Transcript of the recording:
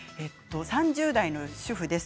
３０代の主婦です。